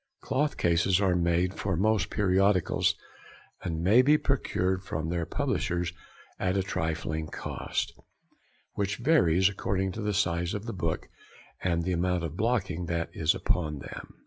Cloth cases are made for most periodicals, and may be procured from their publishers at a trifling cost, which varies according to the size of the book and the amount of blocking that is upon them.